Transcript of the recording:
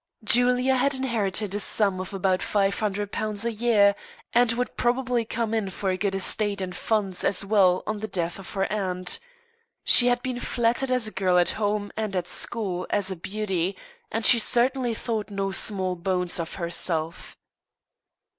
Julia had inherited a sum of about five hundred pounds a year, and would probably come in for a good estate and funds as well on the death of her aunt. She had been flattered as a girl at home, and at school as a beauty, and she certainly thought no small bones of herself.